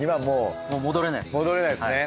もう戻れないです。